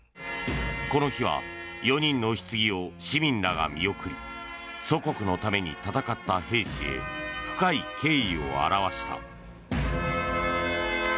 この日は４人のひつぎを市民らが見送り祖国のために戦った兵士へ深い敬意を表した。